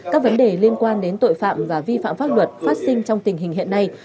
các vấn đề liên quan đến tội phạm và vi phạm pháp luật phát sinh trong tình hình hiện nay